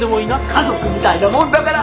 家族みたいなもんだから。